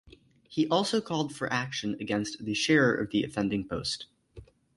He also called for action against the sharer of the offending post.